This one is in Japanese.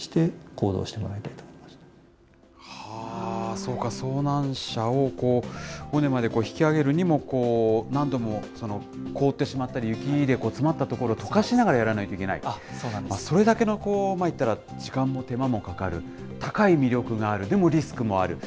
そうか、遭難者を尾根まで引き上げるにも、何度も凍ってしまったり、雪で詰まった所をとかしながらやらないといけない、それだけのいったら、時間も手間もかかる、高い魅力もある、でもリスクもある。